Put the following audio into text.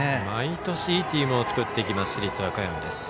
毎年いいチームを作ってきます市立和歌山。